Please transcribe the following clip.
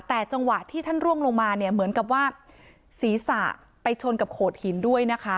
แต่จังหวะที่ท่านร่วงลงมาเนี่ยเหมือนกับว่าศีรษะไปชนกับโขดหินด้วยนะคะ